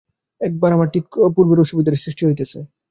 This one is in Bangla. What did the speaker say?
এখানে আবার ঠিক পূর্বের অসুবিধারই সৃষ্টি হইতেছে।